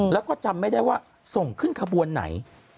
แล้วก็จำไม่ได้ว่าส่งขึ้นขบวนไหน